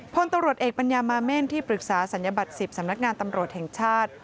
พลตำรวจเอกปัญญามาเม่นที่ปรึกษาศัลยบัตร๑๐สำนักงานตำรวจแห่งชาติ